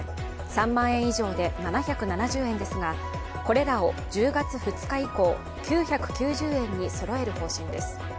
３万円以上で７７０円ですが、これらを１０月２日以降、９９０円にそろえる方針です。